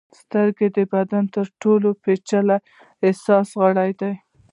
سترګې د بدن تر ټولو پیچلي حسي غړي دي.